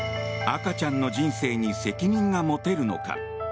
赤ちゃんの人生に責任が持てるのか。